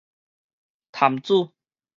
潭子